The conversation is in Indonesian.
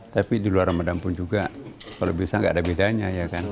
tapi di luar ramadan pun juga kalau bisa gak ada bedanya